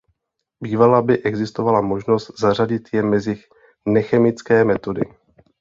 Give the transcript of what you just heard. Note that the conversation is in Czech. Bývala by existovala možnost zařadit je mezi nechemické metody.